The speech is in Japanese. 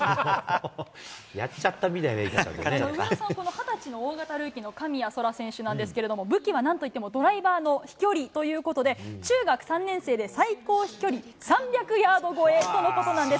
やっちゃったみたいな言い方上田さん、この２０歳の神谷そら選手なんですけど、武器はなんといってもドライバーの飛距離ということで、中学３年生で最高飛距離３００ヤード超えとのことなんです。